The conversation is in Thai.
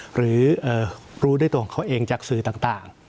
หรือรู้ด้วยตัวของเขาเองจากสื่อต่าง